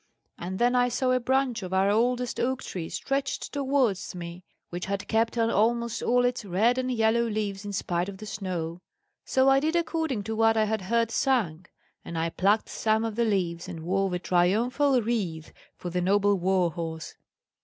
And then I saw a branch of our oldest oak tree stretched towards me, which had kept on almost all its red and yellow leaves in spite of the snow. So I did according to what I had heard sung; and I plucked some of the leaves, and wove a triumphal wreath for the noble war horse.